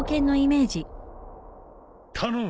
頼む！